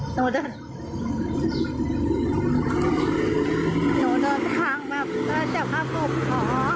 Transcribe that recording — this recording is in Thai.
หนูเดินทางมามากกว่าฝูกขอ